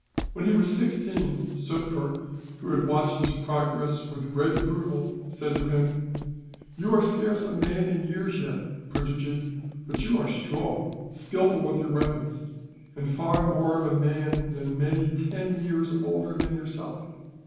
When he was sixteen, Sufder, who had watched his progress with great approval, said to him: "You are scarce a man in years yet, Puntojee; but you are strong, skilful with your weapons, and far more of a man than many ten years older than yourself.